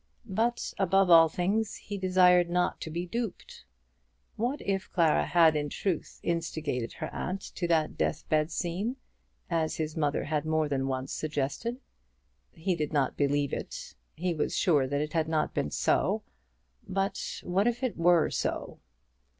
But above all things he desired not to be duped. What if Clara had in truth instigated her aunt to that deathbed scene, as his mother had more than once suggested! He did not believe it. He was sure that it had not been so. But what if it were so?